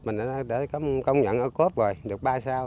cây bắp đã công nhận ô cớp rồi được ba sao